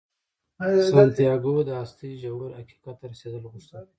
سانتیاګو د هستۍ ژور حقیقت ته رسیدل غوښتل.